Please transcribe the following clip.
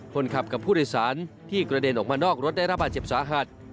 คนขับกับผู้โดยสารที่กระเด็นออกมานอกรถได้รับบาดเจ็บสาหัส